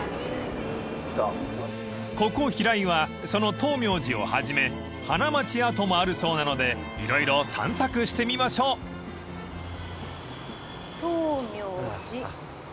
［ここ平井はその燈明寺をはじめ花街跡もあるそうなので色々散策してみましょう］燈明寺。